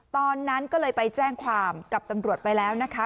ตอนนั้นก็เลยไปแจ้งความกับตำรวจไปแล้วนะคะ